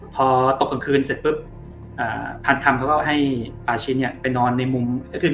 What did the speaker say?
พอตกกลางคืนเสร็จปุ๊บพันคำเขาก็ให้ปาชินเนี่ยไปนอนในมุมก็คือ